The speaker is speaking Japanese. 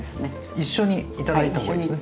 一緒に頂いた方がいいですね。